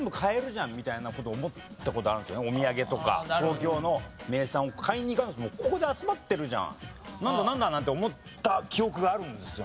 お土産とか東京の名産を買いに行かなくてもここで集まってるじゃんって思った記憶があるんですよね。